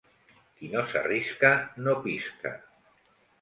Qui no s’arrisca, no pisca.